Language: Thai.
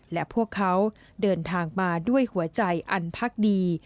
และพวกเขาเดินทางมาด้วยหัวใจอันพักดี